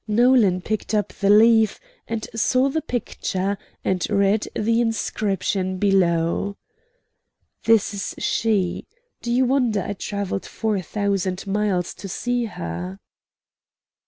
Nolan picked up the leaf, and saw the picture, and read the inscription below: "This is she. Do you wonder I travelled four thousand miles to see her?"